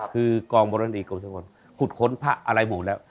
คือกองบรรณีกรมชะมนต์ขุดข้นพระอะไรหมดแล้ว